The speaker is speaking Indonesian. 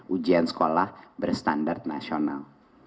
ujian sekolah berstandar nasional